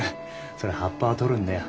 それ葉っぱは取るんだよ。